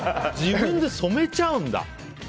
自分で染めちゃうんだ。